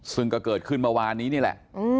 ซึ่งก็เกิดขึ้นเมื่อวานนี้นี่แหละ